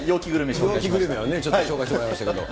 陽気グルメを紹介してもらいましたけど。